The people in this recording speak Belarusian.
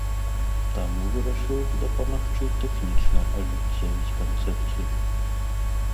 Таму вырашыў дапамагчы тэхнічна ажыццявіць канцэпцыю.